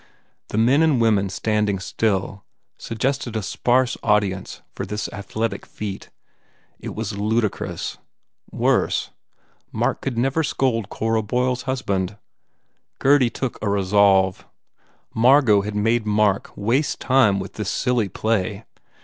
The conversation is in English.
The men and women standing still suggested a sparse audience for this athletic feat. It was ludicrous. Worse, Mark would never scold Cora Boyle s husband. Gurdy took a resolve. Mar got had made Mark waste time with this silly play.